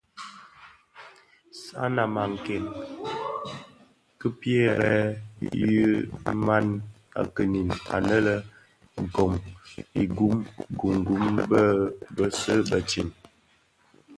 Sanan a kèn ki pierè yè ùman kinin anë le Ngom gum gum bi bësèè bëtsem.